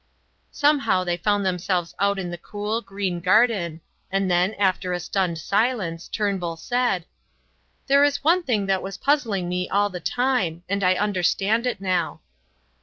Somehow they found themselves outside in the cool, green garden, and then, after a stunned silence, Turnbull said: "There is one thing that was puzzling me all the time, and I understand it now."